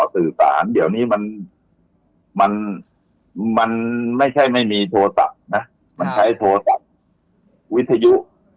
สื่อสารเดี๋ยวนี้มันไม่ใช่ไม่มีโทรศัพท์นะมันใช้โทรศัพท์วิทยุ